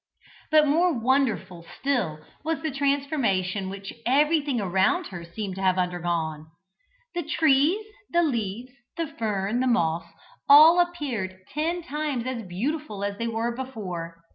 But more wonderful still, was the transformation which everything around her seemed to have undergone. The trees, the leaves, the fern, the moss all appeared ten times as beautiful as they were before.